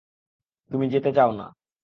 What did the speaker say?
তুমি যেতে চাও না।